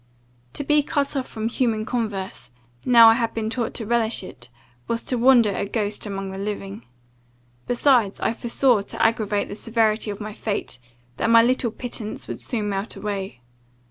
To be cut off from human converse, now I had been taught to relish it, was to wander a ghost among the living. Besides, I foresaw, to aggravate the severity of my fate, that my little pittance would soon melt away.